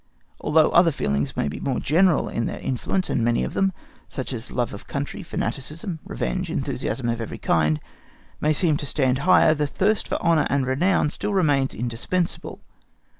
Although other feelings may be more general in their influence, and many of them—such as love of country, fanaticism, revenge, enthusiasm of every kind—may seem to stand higher, the thirst for honour and renown still remains indispensable.